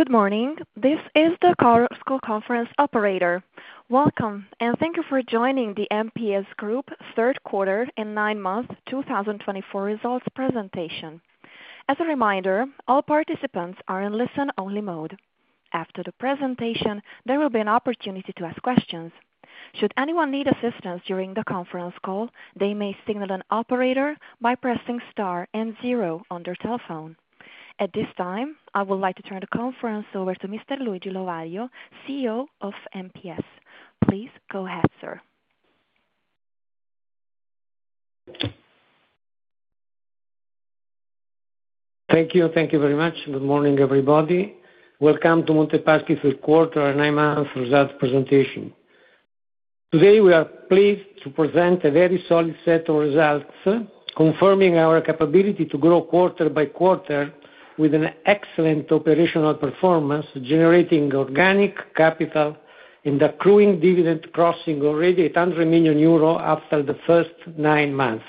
Good morning, this is the Chorus Call Conference Operator. Welcome and thank you for joining the MPS Group Third Quarter and nine months 2024 results presentation. As a reminder, all participants are in listen-only mode. After the presentation, there will be an opportunity to ask questions. Should anyone need assistance during the conference call, they may signal an operator by pressing Star and zero on their telephone. At this time I would like to turn the conference over to Mr. Luigi Lovaglio, CEO of MPS. Please go ahead, sir. Thank you. Thank you very much. Good morning everybody. Welcome to Monte Paschi's third quarter and nine months result presentation. Today we are pleased to present a very solid set of results confirming our capability to grow quarter by quarter with an excellent operational performance, generating organic capital and accruing dividend crossing already 800 million euro after the first nine months.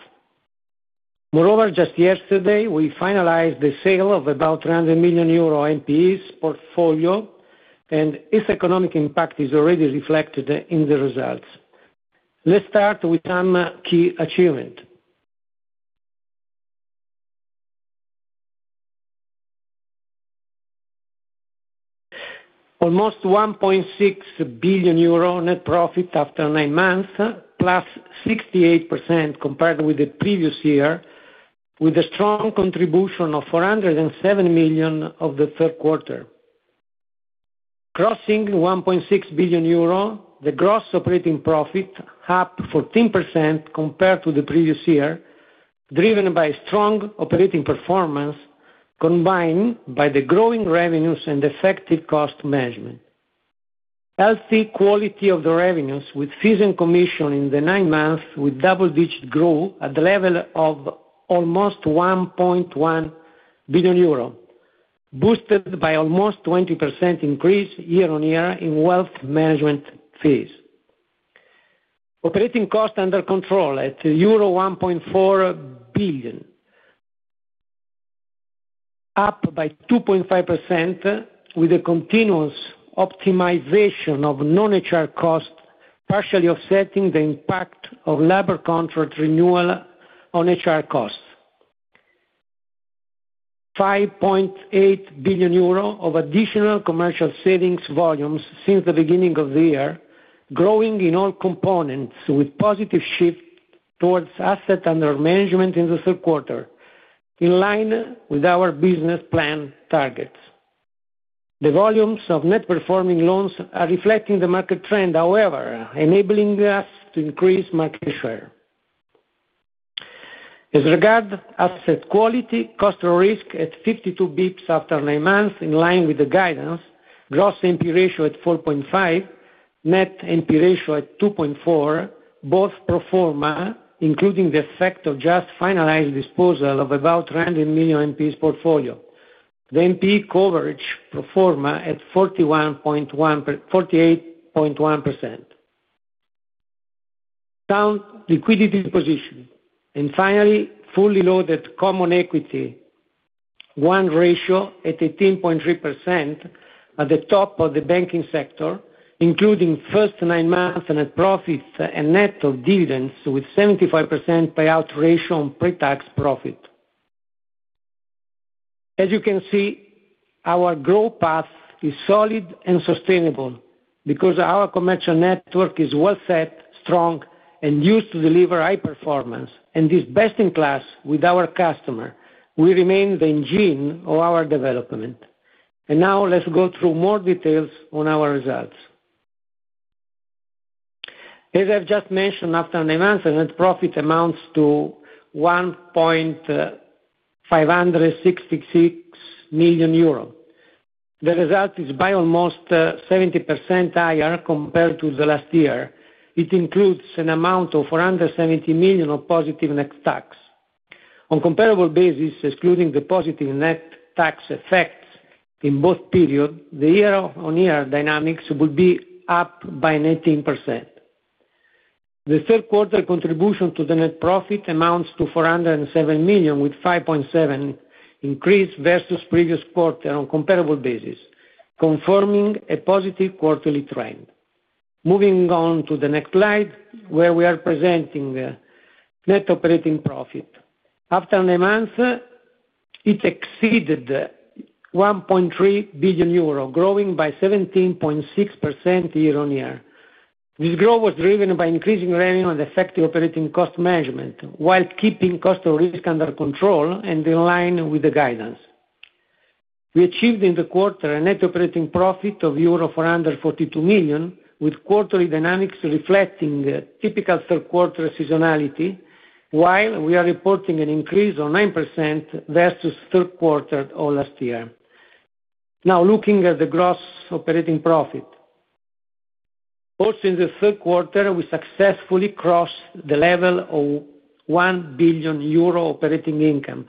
Moreover, just yesterday we finalized the sale of about 300 million euro NPEs portfolio and its economic impact is already reflected in the results. Let's start with some key achievement. Almost 1.6 billion euro net profit after nine months plus 68% compared with the previous year with a strong contribution of 407 million of the third quarter crossing 1.6 billion euro. The gross operating profit up 14% compared to the previous year driven by strong operating performance combined by the growing revenues and effective cost management. Healthy quality of the revenues with fees and commission in the nine months with double digit growth at the level of almost 1.1 billion euro boosted by almost 20% increase year-on-year in wealth management fees. Operating cost under control at euro 1.4 billion up by 2.5% with a continuous optimization of non HR cost partially offsetting the impact of labor contract renewal on HR costs. 5.8 billion euro of additional commercial savings volumes since the beginning of the year growing in all components with positive shift towards asset under management in the third quarter in line with our business plan targets. The volumes of non-performing loans are reflecting the market trend, however, enabling us to increase market share as regards asset quality, cost of risk at 52 basis points after nine months in line with the guidance. Gross NPE ratio at 4.5%, net NPE ratio at 2.4%, both performing including the effect of just finalized disposal of about 300 million NPEs portfolio, the NPE coverage performing at 48.1%, sound liquidity position and finally fully loaded Common Equity Tier 1 ratio at 18.3% at the top of the banking sector including first nine months net profit and net of dividends with 75% payout ratio on pre-tax profit. As you can see, our growth path is solid and sustainable. Because our commercial network is well set, strong and used to deliver high performance and this best in class with our customer, we remain the engine of our development. And now let's go through more details on our results. As I've just mentioned, after an event, the net profit amounts to 1.566 million euro. The result is by almost 70% higher compared to the last year. It includes an amount of 470 million of positive net tax. On comparable basis. Excluding the positive net tax effects in both periods, the year-on-year dynamics will be up by 19%. The third quarter contribution to the net profit amounts to 407 million with 5.7% increase versus previous quarter on comparable basis, confirming a positive quarterly trend. Moving on to the next slide where we are presenting net operating profit. After nine months, it exceeded 1.3 billion euro, growing by 17.6% year-on-year. This growth was driven by increasing revenue and effective operating cost management while keeping cost of risk under control and in line with the guidance we achieved in the quarter, a net operating profit of euro 442 million with quarterly dynamics reflecting typical third quarter seasonality, while we are reporting an increase of 9% versus third quarter of last year. Now looking at the gross operating profit. Also in the third quarter, we successfully crossed the level of one billion euro operating income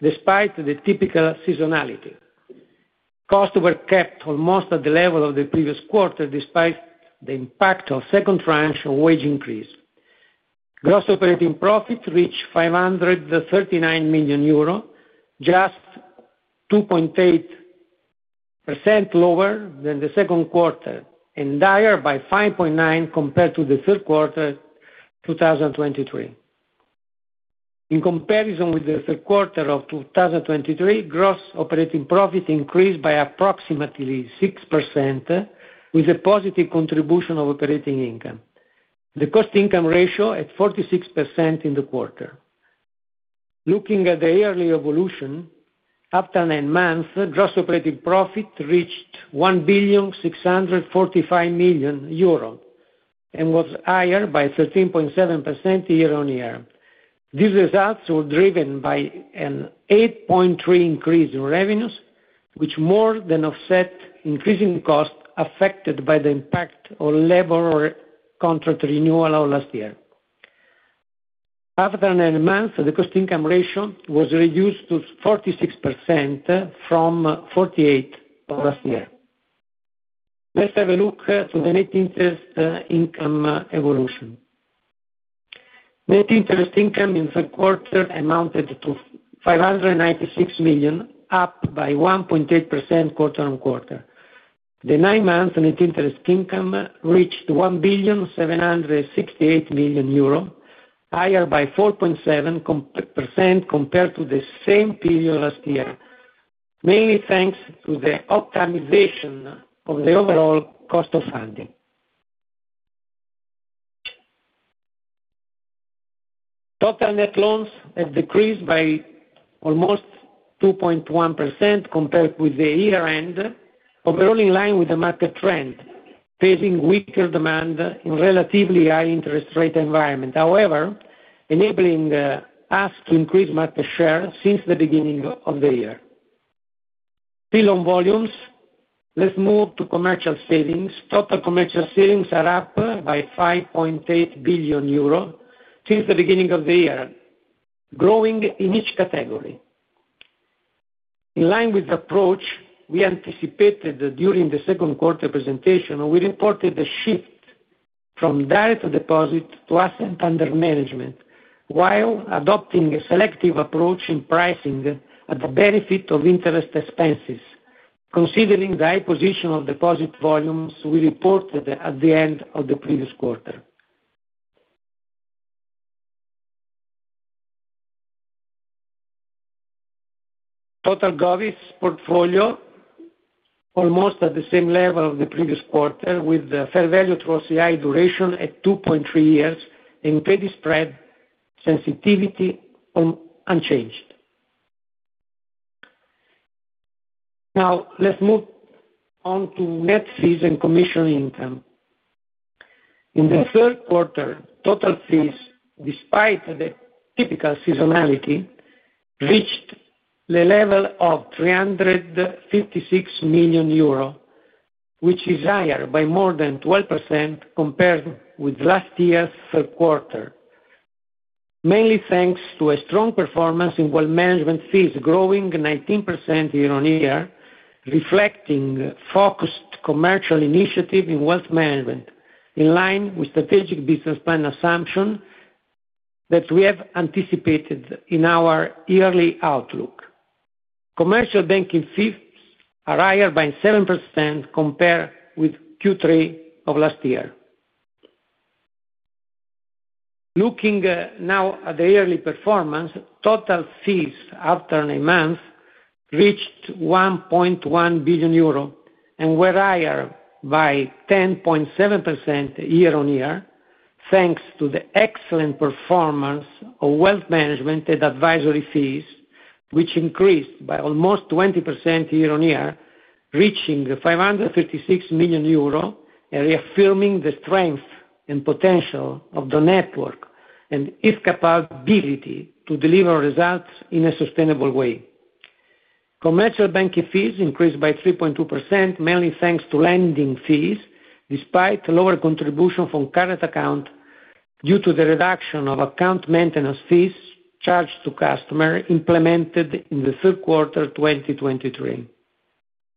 despite the typical seasonality, costs were kept almost at the level of the previous quarter. Despite the impact of second tranche of wage increase. Gross operating profit reached 539 million euro, just 2.8% lower than the second quarter and higher by 5.9% compared to the third quarter 2023. In comparison with the third quarter of 2023, gross operating profit increased approximately with a positive contribution of operating income. The cost income ratio at 46% in the quarter. Looking at the yearly evolution, after nine months, gross operating profit reached 1,645,000,000 euro and was higher by 13.7% year-on-year. These results were driven by an 8.3% increase in revenues which more than offset increasing cost affected by the impact of labor contract renewal last year. After nine months, the cost income ratio was reduced to 46% from 48% last year. Let's have a look at the net interest income evolution. Net interest income in the quarter amounted to 596 million, up by 1.8% quarter-on-quarter. The nine months net interest income reached 1,768,000,000 euro, higher by 4.7% compared to the same period last year. Mainly thanks to the optimization of the overall cost of funding. Total net loans have decreased by almost 2.1% compared with the year end overall in line with the market trend facing weaker demand in relatively high interest rate environment, however enabling us to increase market share since the beginning of the year. Still on volumes, let's move to commercial savings. Total commercial savings are up by 5.8 billion euro since the beginning of the year, growing in each category in line with the approach we anticipated. During the second quarter presentation we reported the shift from direct deposit to asset under management while adopting a selective approach in pricing at the benefit of interest expenses. Considering the high position of deposit volumes we reported at the end of the previous quarter, total Govies portfolio almost at the same level of the previous quarter with fair value through OCI duration at 2.3 years in credit spread sensitivity unchanged. Now let's move on to net secondary commission income. In the third quarter total fees despite the typical seasonality reached the level of 356 million euros which is higher by more than 12% compared with last year's third quarter mainly thanks to a strong performance in wealth management fees growing 19% year-on-year reflecting focused commercial initiatives in wealth management in line with strategic business plan assumption that we have anticipated in our yearly outlook. Commercial banking fees are higher by 7% compared with Q3 of last year. Looking now at the yearly performance, total fees after nine months reached 1.1 billion euro and were higher by 10.7% year-on-year thanks to the excellent performance of wealth management and advisory fees which increased by almost 20% year-on-year reaching 536 million euro and reaffirming the strength and potential of the network and its capability to deliver results in a sustainable way. Commercial banking fees increased by 3.2% mainly thanks to lending fees despite lower contribution from current account due to the reduction of account maintenance fees charged to customer implemented in the third quarter 2023.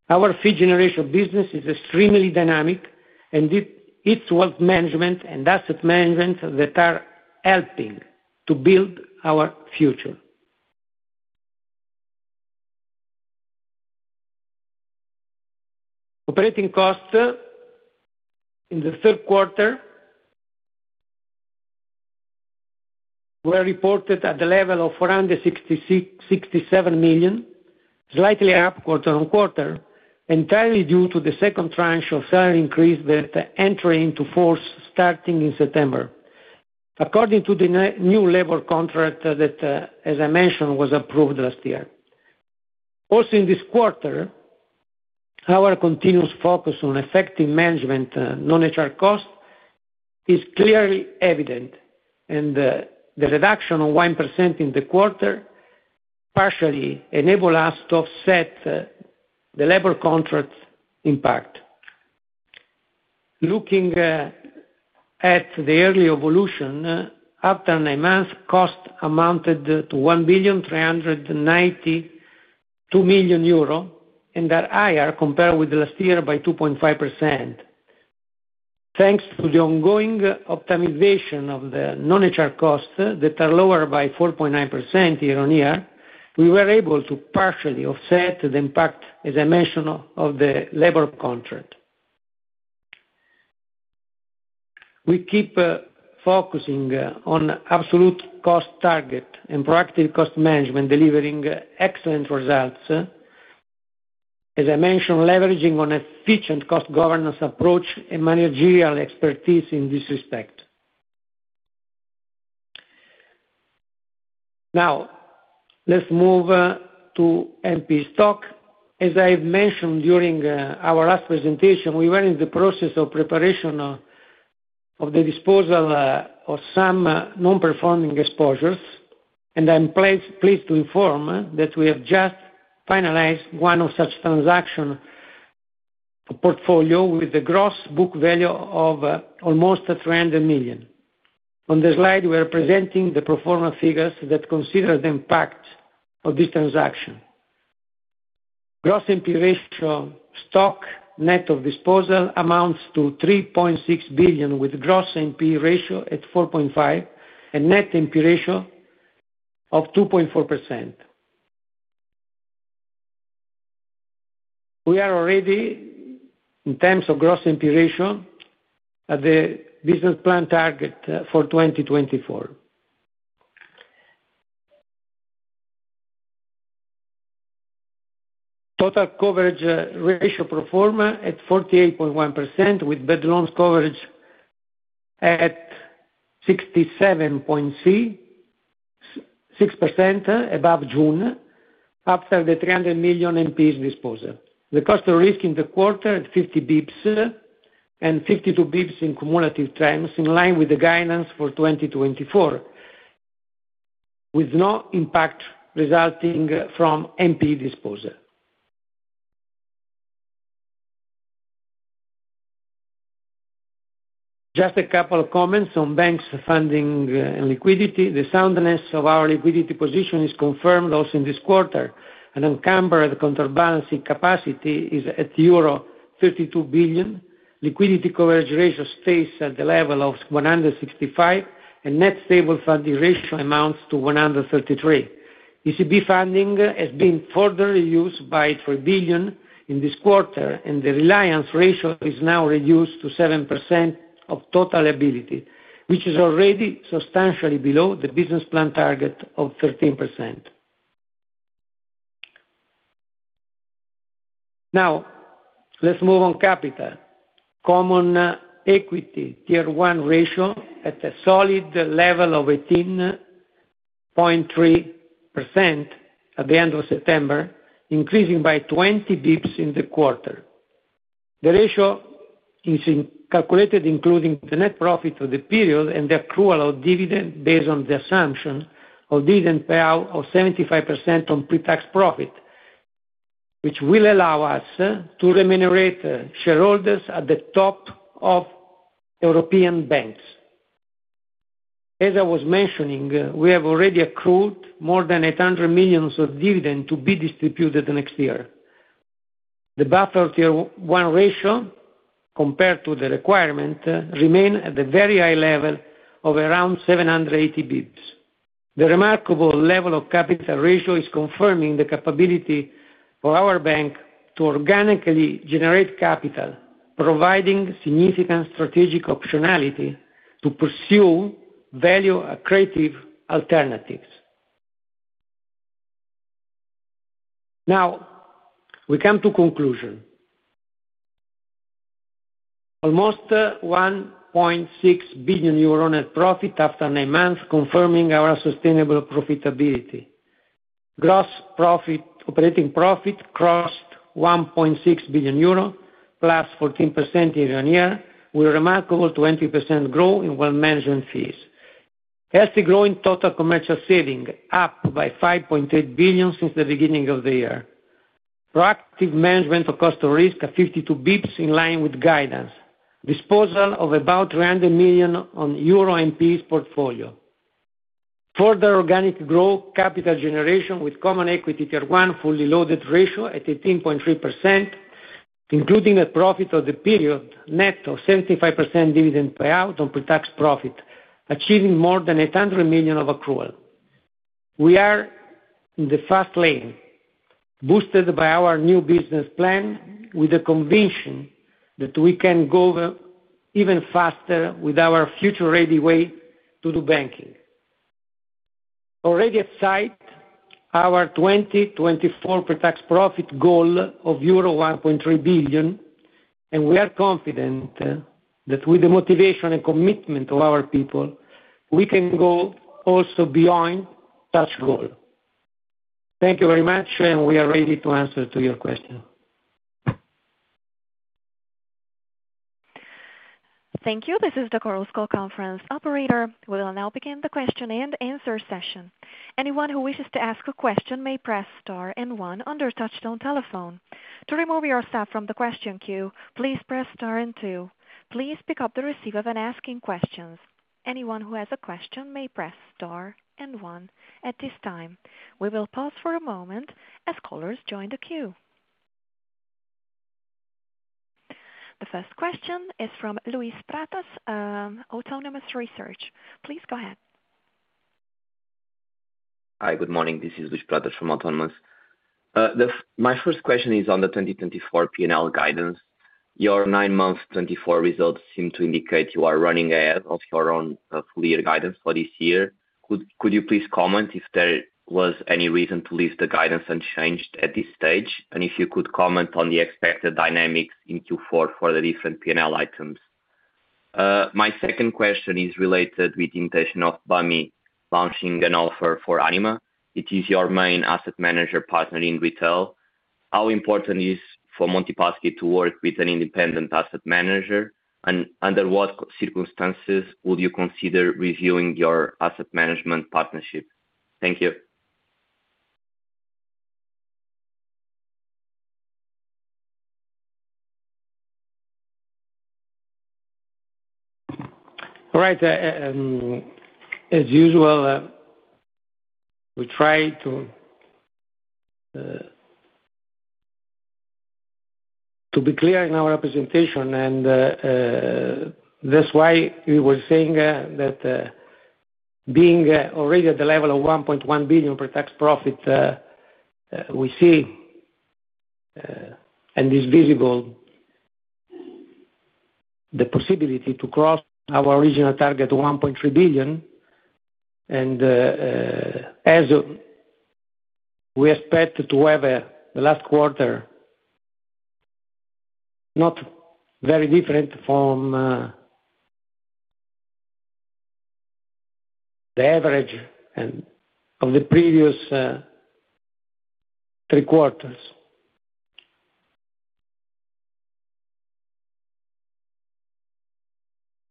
Our fee generation business is extremely dynamic and it's wealth management and asset management that are helping to build our future. Operating costs in the third quarter. Were. Reported at the level of 467 million, slightly up quarter-on-quarter entirely due to the second tranche of salary increase that entry into force starting in September according to the new labor contract that as I mentioned was approved last year. Also in this quarter our continuous focus on effective management non HR cost is clearly evident and the reduction of 1% in the quarter partially enabled us to offset the labor contract impact. Looking at the early evolution, after nine months cost amounted to 1 billion 392 million and are higher compared with last year by 2.5%. Thanks to the ongoing optimization of the non HR costs that are lower by 4.9% year-on-year, we were able to partially offset the impact, as I mentioned, of the labor contract. We keep focusing on absolute cost target and proactive cost management delivering excellent results. As I mentioned, leveraging on efficient cost governance approach and managerial expertise in this respect. Now let's move to MPS stock. As I mentioned during our last presentation we were in the process of preparation of the disposal of some non-performing exposures and I'm pleased to inform that we have just finalized one of such transaction portfolio with the gross book value of almost 300 million. On the slide, we are presenting the performance figures that consider the impact of this transaction. Gross NPE stock net of disposal amounts to 3.6 billion with gross NPE ratio at 4.5% and net NPE ratio of 2.4%. We are already in terms of gross NPE ratio the business plan target for 2024. Total coverage ratio performed at 48.1% with bad loans coverage at 67.36% as of June after the 300 million MPS disposal, the cost of risk in the quarter at 50 basis points and 52 basis points in cumulative trends in line with the guidance for 2024 with no impact resulting from NPE disposal. Just a couple of comments on bank's funding liquidity the soundness of our liquidity position is confirmed also in this quarter and encumbered counterbalancing capacity is at euro 32 billion. Liquidity coverage ratio stays at the level of 165% and net stable funding ratio amounts to 133%. ECB funding has been further reduced by 3 billion in this quarter and the reliance ratio is now reduced to 7% of total liabilities which is already substantially below the business plan target of 13%. Now let's move on to capital Common Equity Tier 1 ratio at a solid level of 18.3% at the end of September increasing by 20 basis points in the quarter. The ratio is calculated including the net profit of the period and the accrual of dividend based on the assumption of dividend payout of 75% on pre-tax profit which will allow us to remunerate shareholders at the top of European banks. As I was mentioning, we have already accrued more than 800 million of dividend to be distributed next year. The buffer Tier 1 ratio compared to the requirement remains at a very high level of around 780 basis points. The remarkable level of capital ratio is confirming the capability for our bank to organically generate capital providing significant strategic optionality to pursue value accretive alternatives. Now we come to conclusion. Almost 1.6 billion euro net profit after nine months confirming our sustainable profitability. Gross operating profit crossed 1.6 billion euro plus 14% year-on-year with a remarkable 20% growth in wealth management fees, healthy growing total commercial savings up by 5.8 billion since the beginning of the year. Proactive management of cost of risk at 52 basis points in line with guidance, disposal of about 300 million euro on NPEs portfolio. Further organic growth capital generation with Common Equity Tier 1 fully loaded ratio at 18.3% including the profit of the period net of 75% dividend payout on pre-tax profit achieving more than a 10% ROA. We are in the fast lane boosted by our new business plan with the conviction that we can go even faster with our future-ready way to do banking already at sight. Our 2024 pre-tax profit goal of euro 1.3 billion, and we are confident that with the motivation and commitment of our people, we can go also beyond that goal. Thank you very much and we are ready to answer to your question. Thank you. This is the Chorus Call conference operator. We will now begin the question and answer session. Anyone who wishes to ask a question may press star, one on your touch-tone telephone. To remove yourself from the question queue, please press star, two. Please pick up the receiver when asking questions. Anyone who has a question may press star, one. At this time we will pause for a moment as callers join the queue. The first question is from Luis Pratas, Autonomous Research. Please go ahead. Hi, good morning. This is Luis Pratas from Autonomous. My first question is on the 2024 P&L guidance. Your nine-month 2024 results seem to indicate you are running ahead of your own full-year guidance for this year. Could you please comment if there was any reason to leave the guidance unchanged at this stage? And if you could comment on the expected dynamics in Q4 for the different P and L items. My second question is related with the intention of Banco BPM launching an offer for Anima. It is your main asset manager partner in retail. How important is for Monte Paschi to work with an independent asset manager? And under what circumstances would you consider reviewing your asset management partnership? Thank you. Right. As usual, we try to be clear in our presentation, and that's why we were saying that being already at the level of 1.1 billion pre-tax profit, we see. And. It's visible the possibility to cross our original target 1.3 billion. As we expect to have the last quarter not very different from the average of the previous three quarters.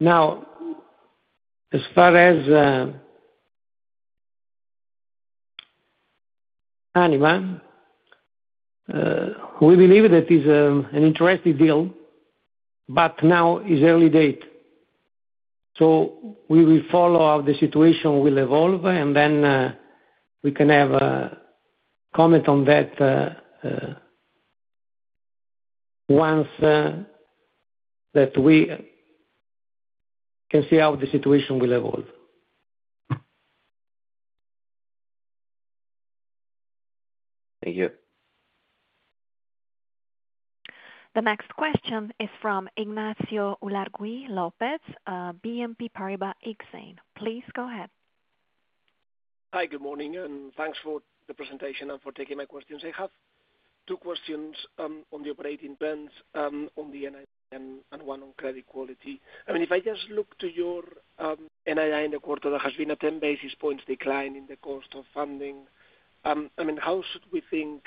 Now as far as Anima, we believe that is an interesting deal. But now is early days, so we will follow how the situation will evolve and then we can have a comment on that once that we can see how the situation will evolve. Thank you. The next question is from Ignacio Ulargui Lopez, BNP Paribas Exane. Please go ahead. Hi, good morning, and thanks for the presentation and for taking my questions. I have two questions on the operating plans on the NII and one on credit quality. I mean, if I just look to your NII in the quarter, there has been a 10 basis points decline in the cost of funding. I mean, how should we think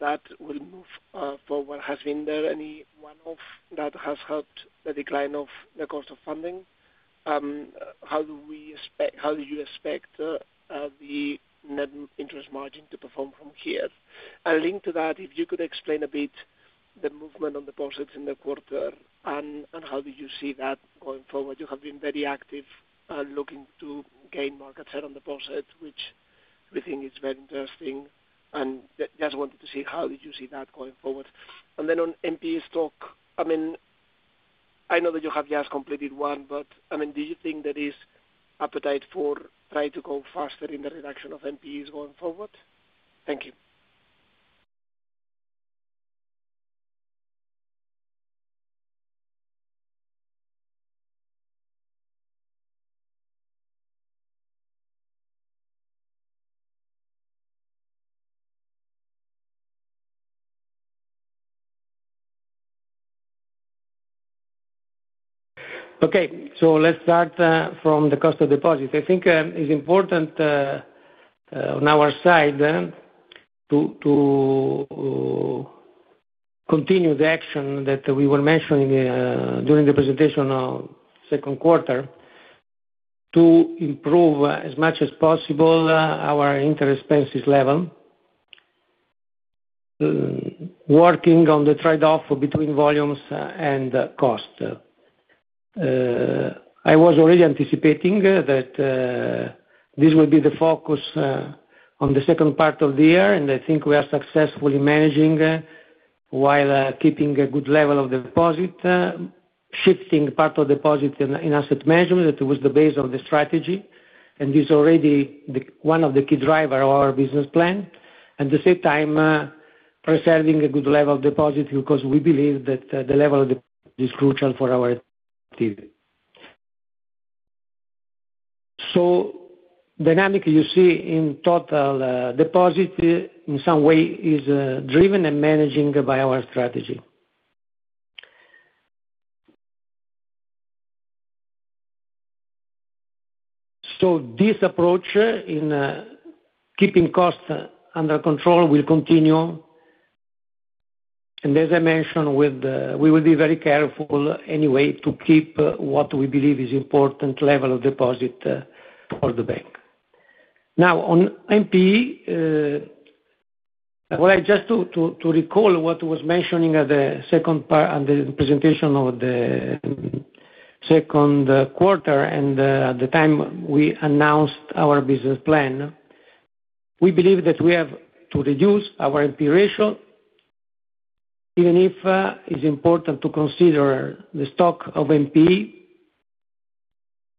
that will move forward? Has there been any one off that has helped the decline of the cost of funding? How do you expect the net interest margin to perform from here? I'll link to that if you could explain a bit the movement on deposits in the quarter and how did you see that going forward? You have been very active looking to gain market share on deposits, which we think is very interesting, and just wanted to see how do you see that going forward, and then on NPE stock? I mean, I know that you have just completed one, but I mean, do you think there is appetite to try to go faster in the reduction of NPEs going forward? Thank you. Okay, so let's start from the cost of deposits. I think it's important on our side to continue the action that we were mentioning during the presentation of second quarter to improve as much as possible our interest expenses level, working on the trade off between volumes and cost. I was already anticipating that this will be the focus on the second part of the year. And I think we are successful in managing while keeping a good level of deposit. Shifting part of deposit in asset management, that was the base of the strategy and this already one of the key driver of our business plan. At the same time preserving a good level of deposit because we believe that the level of deposit is crucial for our activity. So dynamic, you see in total deposit in some way is driven and managing by our strategy. This approach in keeping costs under control will continue and as I mentioned, we will be very careful anyway to keep what we believe is important level of deposit for the bank now on MPS. I just to recall what was mentioned at the second part and the presentation of the second quarter and at the time we announced our business plan, we believe that we have to reduce our NPE ratio. Even if it's important to consider the stock of NPE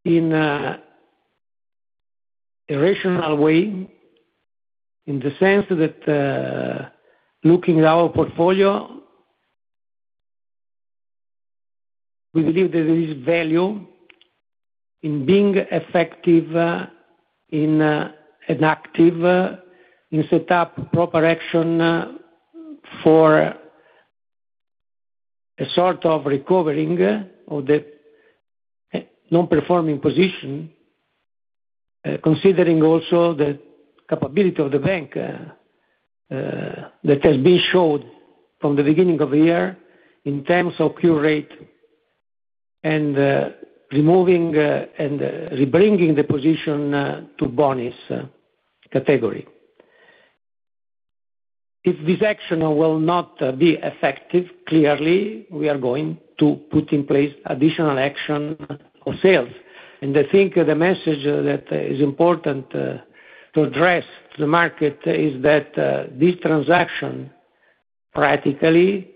in a rational way in the sense that looking at our portfolio we believe that there is value in being effective inactive in set up proper action for a sort of recovering of the non performing position. Considering also the capability of the bank that has been shown from the beginning of the year in terms of cure rate and removing and rebringing the position to performing category. If this action will not be effective, clearly we are going to put in place additional action of sales. I think the message that is important to address the market is that this transaction practically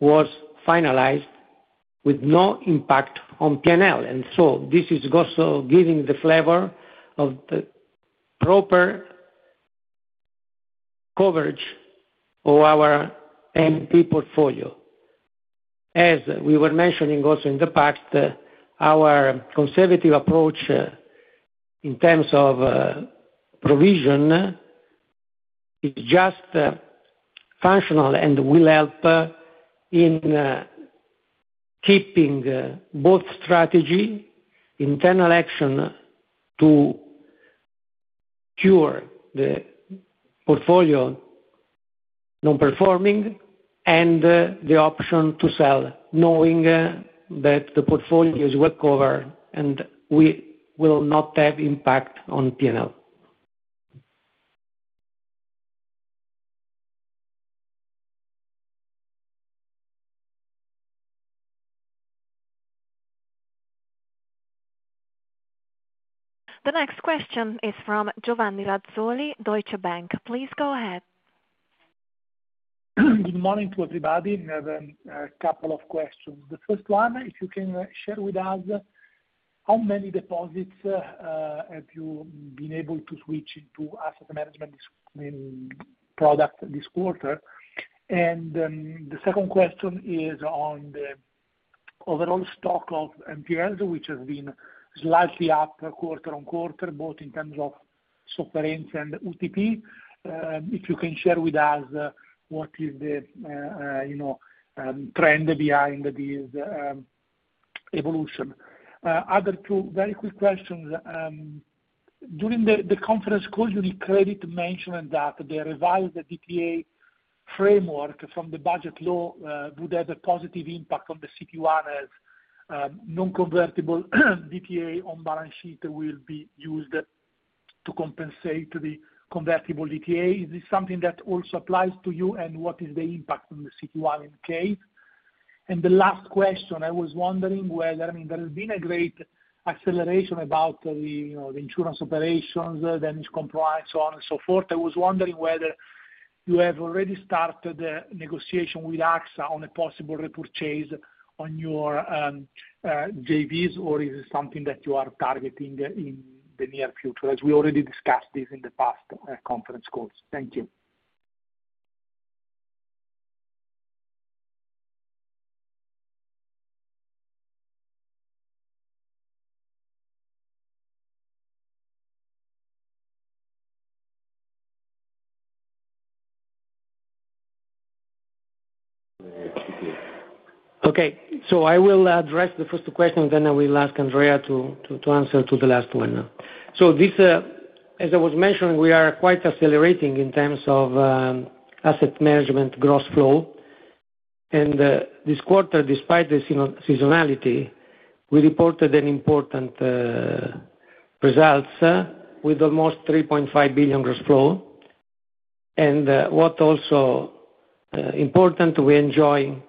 was finalized with no impact on P and L. And so this is also giving the flavor of the proper coverage of our MPS portfolio. As we were mentioning also in the past, our conservative approach in terms of provision is just functional and will help in keeping both strategy internal action to cure the portfolio non-performing and the option to sell knowing that the portfolio is well covered and will not have impact on P&L. The next question is from Giovanni Razzoli, Deutsche Bank. Please go. Good morning to everybody. A couple of questions. The first one, if you can share with us how many deposits have you been able to switch into asset management product this quarter? And the second question is on the overall stock of NPLs which has been slightly up quarter-on-quarter both in terms of Sofferenze and UTP. If you can share with us, what. Is the. Trend behind this evolution? Other two very quick questions. During the conference call UniCredit mentioned that they revised the DTA framework from the budget law would have a positive impact on the CET1 as non convertible DTA on balance sheet will be used to compensate the convertible DTA. Is this something that also applies to you? And what is the impact on the CET1 in case. And the last question I was wondering whether. I mean there has been a great acceleration about the. You know, the insurance operations, Danish Compromise, so on and so forth. I was wondering whether you have already started negotiation with AXA on a possible repurchase on your JVs or is it something that you are targeting in the near future as we already discussed this in the past conference calls. Thank you. Okay, so I will address the first question, then I will ask Andrea to answer to the last one, so this as I was mentioning, we are quite accelerating in terms of asset management gross flow, and this quarter despite the seasonality we reported an important results with almost 3.5 billion gross flow, and what also important, we enjoy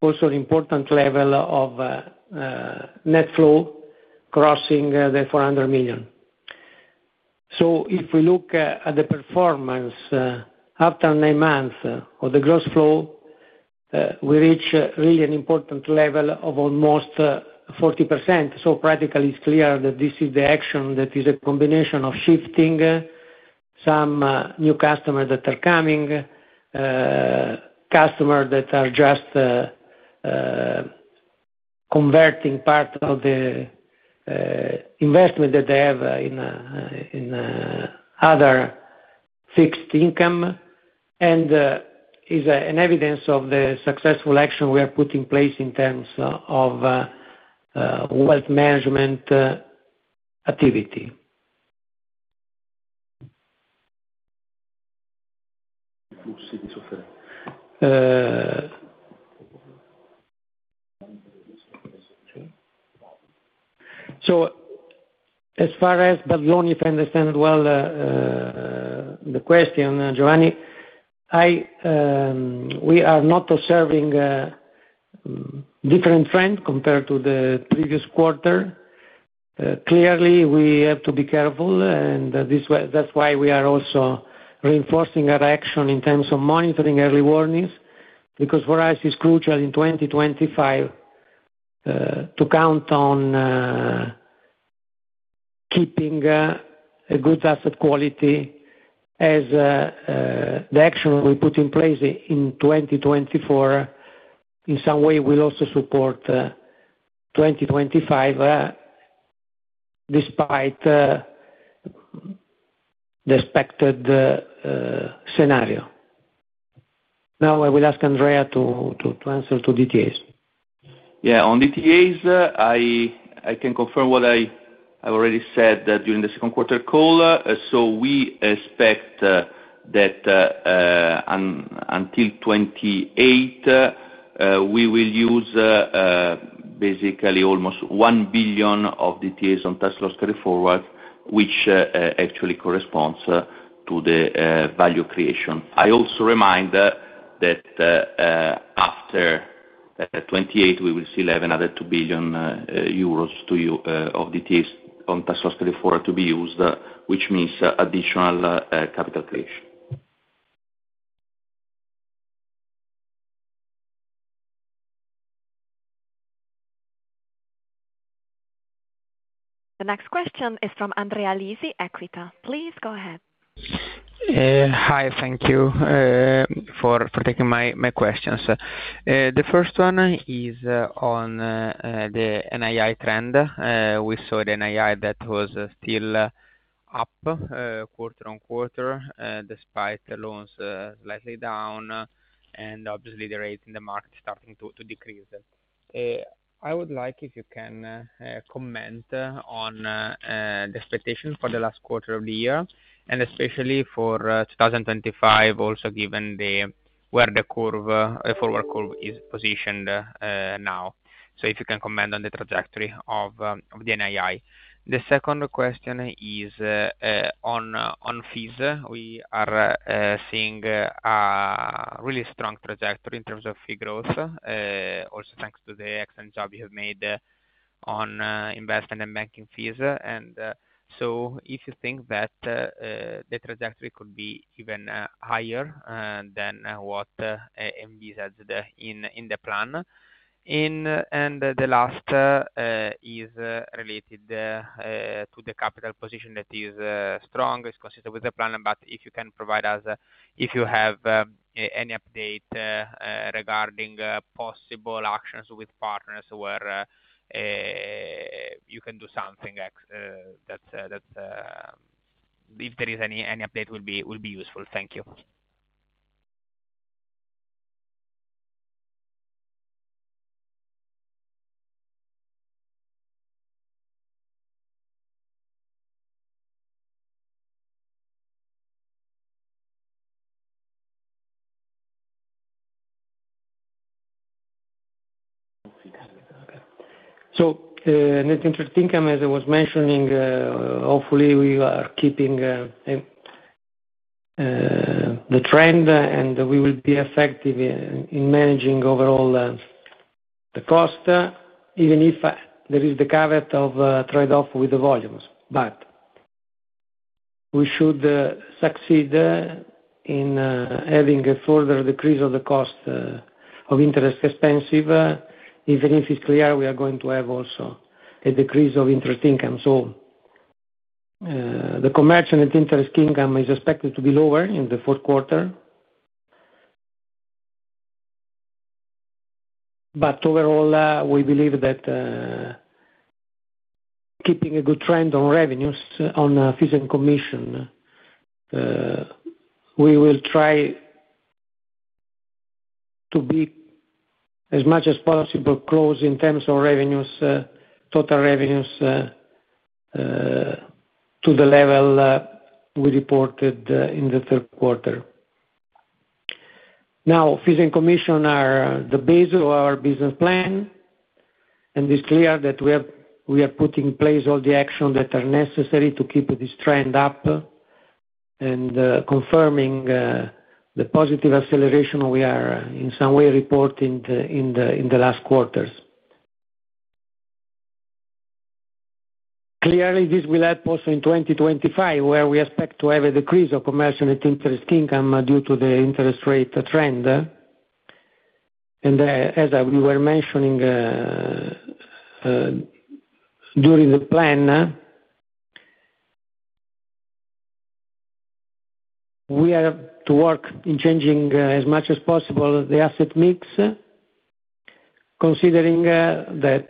also important level of net flow crossing the 400 million, so if we look at the performance after nine months of the gross flow we reach really an important level of almost 40%, so practically it's clear that this is the action that is a combination of shifting some new customers that are coming, customers that are just converting part of the investment that they have in other fixed income and is an evidence of the successful action we are put in place in terms of wealth management activity. So as far as the NPLs, if I understand well the question, Giovanni, we are not observing different trend compared to the previous quarter. Clearly we have to be careful and that's why we are also reinforcing our action in terms of monitoring early warning systems. Because for us it's crucial in 2025 to count on keeping a good asset quality as the action we put in place in 2024 in some way will also support 2025 despite the expected scenario. Now I will ask Andrea to answer to DTAs. Yeah, on DTAs I can confirm what I already said during the second quarter call. So we expect that until 2028 we will use basically almost 1 billion of DTAs on tax loss carryforward, which actually corresponds to the value creation. I also remind that after 2028 we will still have another 2 billion euros of DTAs on tax credits to be used, which means additional capital creation. The next question is from Andrea Lisi Equita. Please go ahead. Hi, thank you for taking my questions. The first one is on the NII trend. We saw the NII that was still up quarter-on-quarter despite the loans slightly down and obviously the rates in the market starting to decrease. I would like if you can comment on the expectation for the last quarter of the year and especially for 2025 also given where the forward curve is positioned now. So if you can comment on the trajectory of the NII. The second question is on fees. We are seeing a really strong trajectory in terms of fees also thanks to the excellent job you have made on investment and banking fees. And so if you think that the trajectory could be even higher than what envisaged in the plan and the last is related to the capital position that is strong, is consistent with the plan. But if you can provide us if you have any update regarding possible actions with partners where you can do something, if there is any update will be useful. Thank you. Net interest income as I was mentioning, hopefully we are keeping the trend and we will be effective in managing overall the cost even if there is the caveat of trade off with the volumes. But we should succeed in having a further decrease of the cost of interest expense, even if it's clear we are going to have also a decrease of interest income. The commercial interest income is expected to be lower in the fourth quarter. But overall we believe that keeping a good trend on revenues on fees and commissions, we will try to be as much as possible close in terms of revenues, total revenues to the level we reported in the third quarter. Now, fees and commissions are the basis of our business plan. And it's clear that we are putting in place all the action that are necessary to keep this trend up and confirming the positive acceleration we are in some way reporting in the last quarters. Clearly this will help also in 2025, where we expect to have a decrease of commercial net interest income due to the interest rate trend. And as we were mentioning during the. Plan. We are to work on changing as much as possible the asset mix, considering that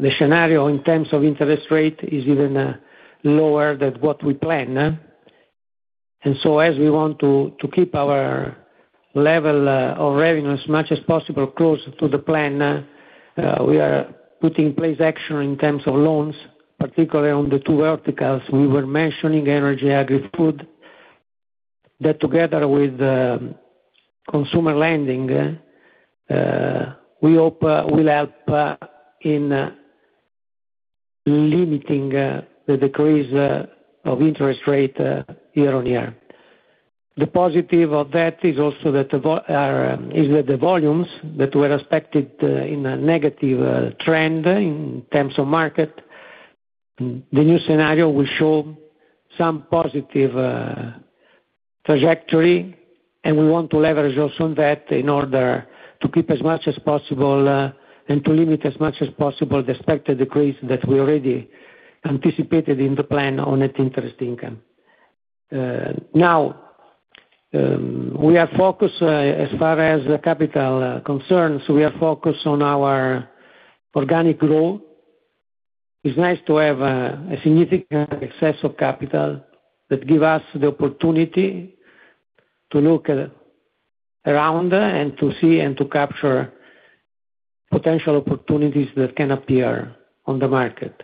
the scenario in terms of interest rate is even lower than what we plan. So as we want to keep our level of revenue as much as possible close to the plan, we are putting in place action in terms of loans, particularly on the two verticals we were mentioning, energy, agri, food. That together with consumer lending, we hope will help in limiting the decrease of interest rate year-on-year. The positive of that is also that the volumes that were expected in a negative trend in terms of market, the new scenario will show some positive trajectory. We want to leverage also on that in order to keep as much as possible and to limit as much as possible the expected decrease that we already anticipated in the plan on net interest income. Now we are focused as far as capital concerns. We are focused on our organic growth. It's nice to have a significant excess of capital that give us the opportunity to look at around and to see and to capture potential opportunities that can appear on the market.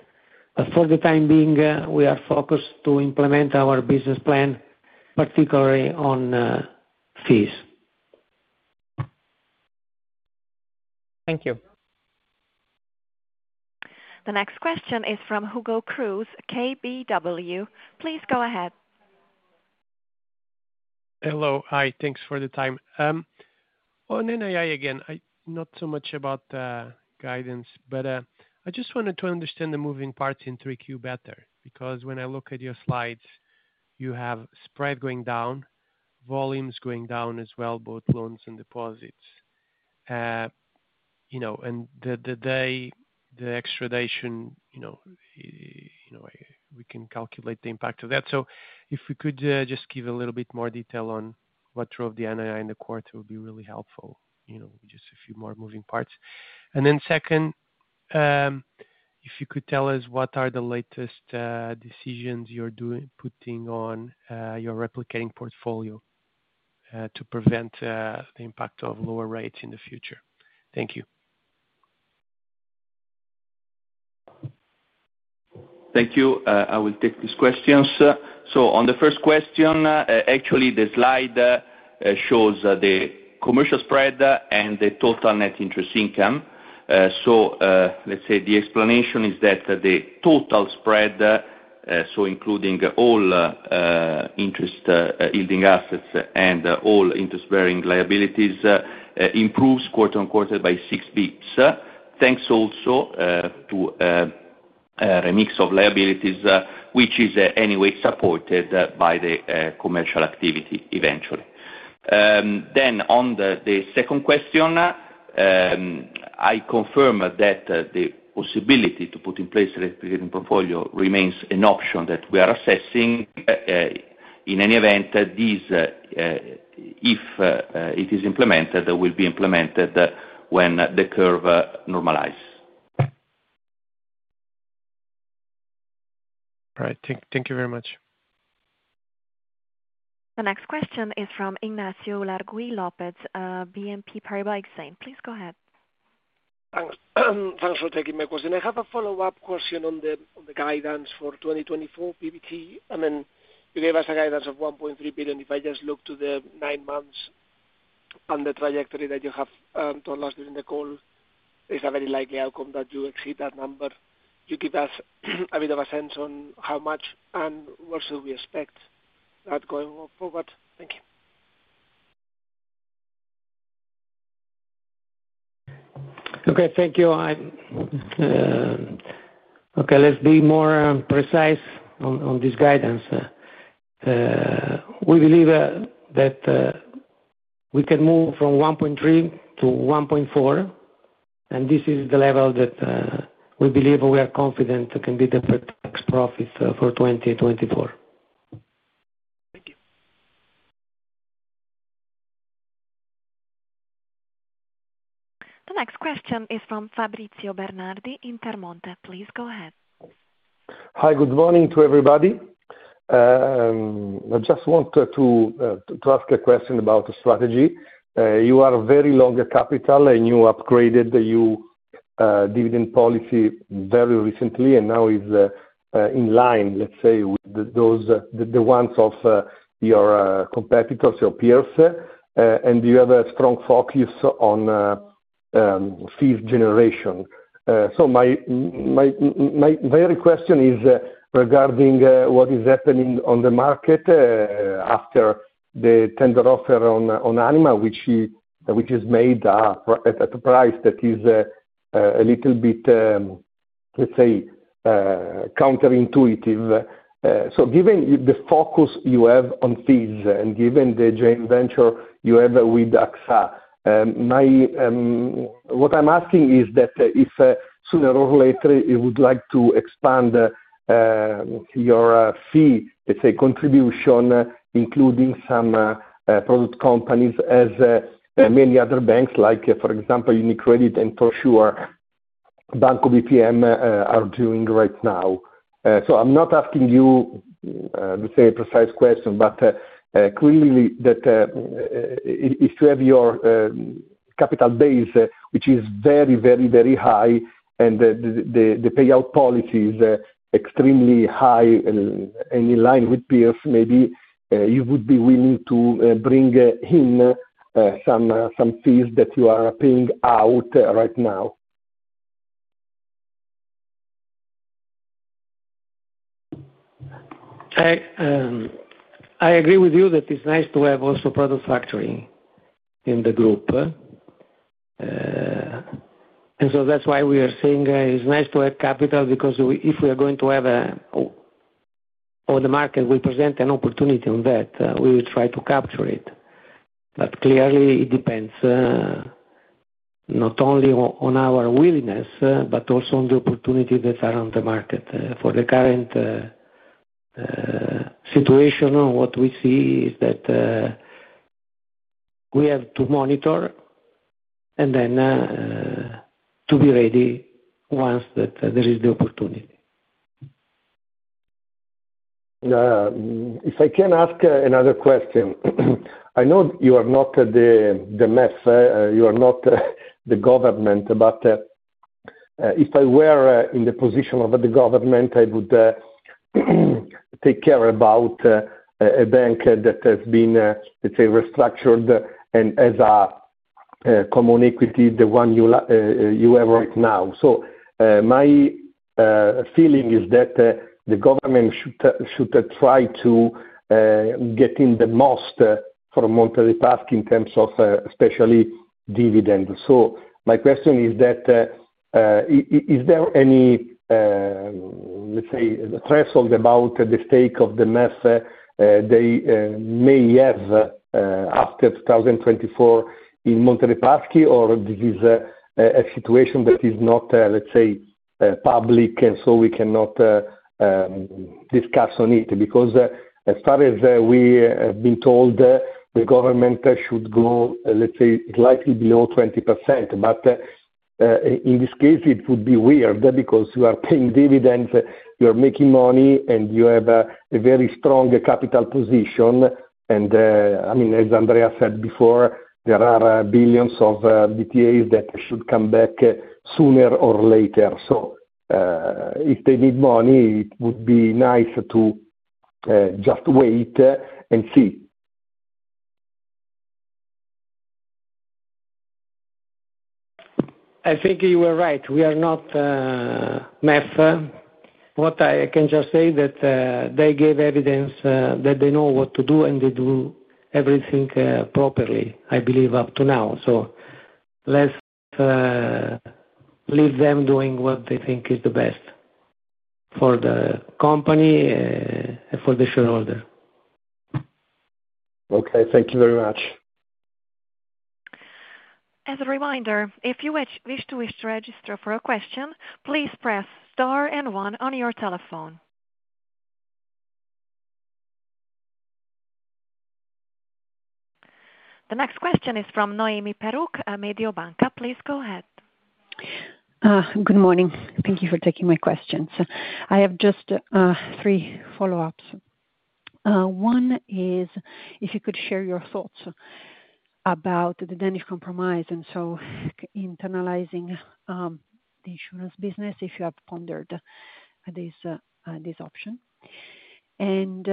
For the time being, we are focused to implement our business plan, particularly on fees. Thank you. The next question is from Hugo Cruz, KBW. Please go ahead. Hello. Hi. Thanks for the time on NII. Again, not so much about guidance, but I just wanted to understand the moving parts in 3Q better because when I look at your slides, you have spread going down, volumes going down as well, both loans and deposits and the days, the extra day, you know, we can calculate the impact of that. So if we could just give a little bit more detail on what drove the NII in the quarter, [that] would be really helpful. You know, just a few more moving parts. And then second, if you could tell us what are the latest decisions you're doing putting on your replicating portfolio to prevent the impact of lower rates in the future. Thank you. Thank you. I will take these questions. So on the first question actually the slide shows the commercial spread and the total net interest income. So let's say the explanation is that the total spread, so including all interest yielding assets and all interest bearing liabilities improves quarter-on-quarter by 6 basis points. Thanks also to remix of liabilities which is anyway supported by the commercial activity eventually. Then on the second question, I confirm that the possibility to put in place replicating portfolio remains an option that we are assessing. In any event, these, if it is implemented, will be implemented when the curve normalizes. All right, thank you very much. The next question is from Ignacio Ulargui Lopez, BNP Paribas Exane. Please go ahead. Thanks for taking my question. I have a follow up question on the guidance for 2024 PBT and then you gave us a guidance of 1.3 billion. If I just look to the nine months and the trajectory that you have told us during the call, it's a very likely outcome that you exceed that number. You give us a bit of a sense on how much and what should we expect that going forward? Thank you. Okay, thank you. Okay, let's be more precise on this guidance. We believe that we can move from 1.3 billion to 1.4 billion and this is the level that we believe we are confident can be the profit for 2024. Thank. You. The next question is from Fabrizio Bernardi, Intermonte. Please go ahead. Hi, good morning to everybody. I just want to ask a question about the strategy. You are very long capital and you upgraded your dividend policy very recently and now is in line, let's say with the ones of your competitors, your peers and you have a strong focus on fees generation. So my question is regarding what is happening on the market after the tender offer on Anima, which is made at a price that is a little bit, let's say, counterintuitive. So given the focus you have on fees and given the joint venture you have with AXA. What I'm asking is. That if sooner or later you would like to expand your fee, let's say, contribution, including some product companies, as many other banks like, for example, UniCredit and, for sure, Banco BPM are doing right now. So I'm not asking you to say a precise answer, but clearly that if you have your capital base, which is very, very, very high, and the payout policy is extremely high and in line with peers, maybe you would be willing to bring in some fees that you are paying out right now. I agree with you that it's nice to have also product factory in the group. And so that's why we are saying it's nice to have capital because if we are going to have or the market will present an opportunity on that we will try to capture it. But clearly it depends not only on our willingness but also on the opportunity that are on the market for the current situation. What we see is that we have to monitor and then to be ready once that there is the opportunity. If I can ask another question, I know you are not the MEF, you are not the government, but if I were in the position of the government, I would take care about a bank that has been, let's say, restructured and as a common equity, the one you have right now. So my feeling is that the government should try to get in the most from Monte Paschi in terms of especially dividend. So my question is that is there. Any. Say the threshold about the stake of the MEF they may have after 2024 in Monte Paschi, or this is a situation that is not, let's say, public. And so we cannot discuss on it because as far as we have been told, the government should go, let's say, slightly below 20%. But in this case it would be weird because you are paying dividends, you're making money, and you have a very strong capital position. And I mean, as Andrea said before, there are billions of DTAs that should come back sooner or later. So if they need money, it would be nice to just wait and see. I think you were right. We are not MEF. What? I can just say that they gave evidence that they know what to do and they do everything properly, I believe up to now. So let's leave them doing what they think is the best for the company, for the shareholder. Okay, thank you very much. As a reminder, if you wish to register for a question, please press star N1 on your telephone. The next question is from Noemi Peruch, Mediobanca. Please go ahead. Good morning. Thank you for taking my questions. I have just three follow ups. One is if you could share your thoughts about the Danish Compromise and so internalizing the insurance business. If you have pondered this option, and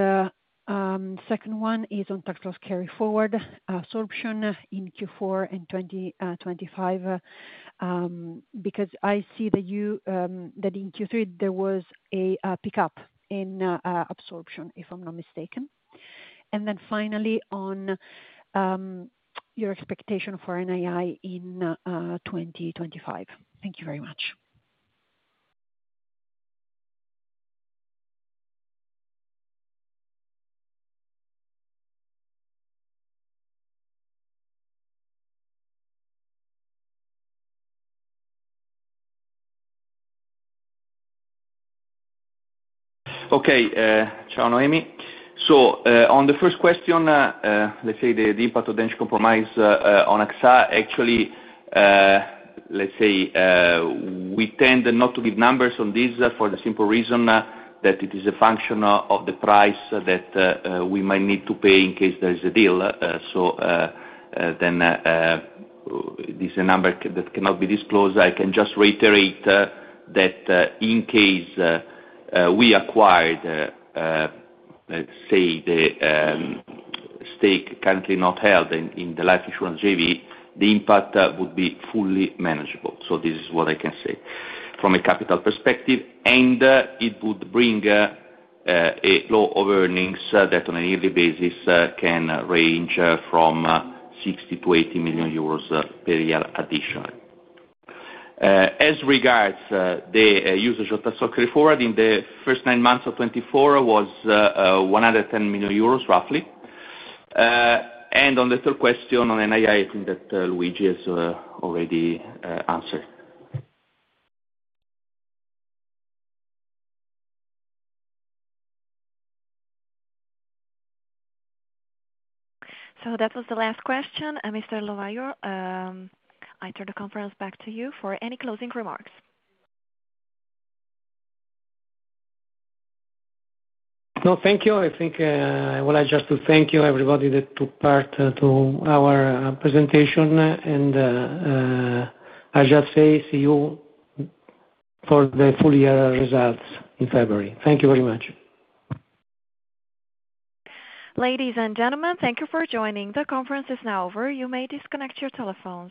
second one is on Tax Loss Carryforward absorption in Q4 and 2025 because I see that in Q3 there was a pickup in absorption, if I'm not mistaken, and then finally on your expectation for NII in 2025. Thank you. Okay, ciao. Noemi. So on the first question, let's say the impact of the Danish Compromise on AXA. Actually, let's say we tend not to give numbers on this for the simple reason that it is a function of the price that we might need to pay in case there is a deal. So then this number that cannot be disclosed. I can just reiterate that in case we acquired, let's say, the stake currently not held in the life insurance jv, the impact would be fully manageable. So this is what I can say from a capital perspective and it would bring a lot of earnings that on a yearly basis can range from 60 million-80 million euros per year. Additionally, as regards the usage of the tax loss carryforward in the first nine months of 2024 was 110 million euros, roughly. And on the third question on NII. That Luigi has already answered. So that was the last question. Mr. Lovaglio, I turn the conference back to you for any closing remarks. No, thank you. I think I would like just to thank everybody that took part in our presentation and I'll see you for the full year results in February. Thank you very much. Ladies and gentlemen. Thank you for joining. The conference is now over. You may disconnect your telephones.